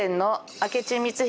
明智光秀。